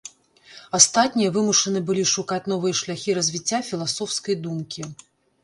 Астатнія вымушаны былі шукаць новыя шляхі развіцця філасофскай думкі.